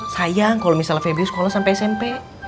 sayang kalau misalnya febri sekolah sampai smp